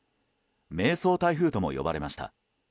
迷走台風とも呼ばれました。